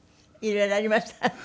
色々ありました？